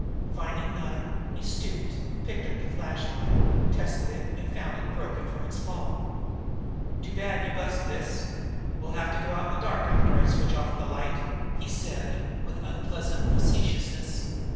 Finding none, he stooped, picked up the flashlight, tested it, and found it broken from its fall. "Too bad you bust this, we'll have to go out in the dark after I switch off the light," he said with unpleasant facetiousness.